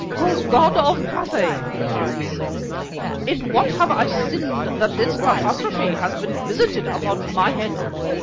"O god of Cathay!" he cried, sibilantly, "in what have I sinned that this catastrophe has been visited upon my head!